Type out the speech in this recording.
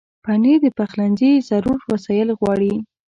پنېر د پخلنځي ضرور وسایل غواړي.